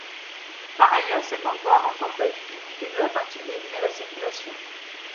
Par ailleurs cet emploi renforce la visibilité de la partie dédiée à la circulation.